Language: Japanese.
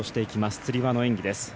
つり輪の演技です。